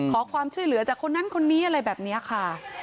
ขอความช่วยเหลือจากคนนั้นคนนี้อะไรแบบนี้ค่ะ